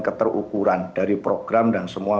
keterukuran dari program dan semua